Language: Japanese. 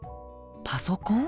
パソコン？